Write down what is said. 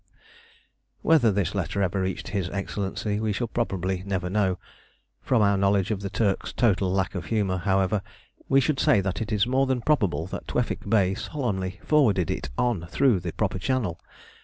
Whether this letter ever reached His Excellency we shall probably never know. From our knowledge of the Turk's total lack of humour, however, we should say that it is more than probable that Tewfik Bey solemnly forwarded it on through the proper channel.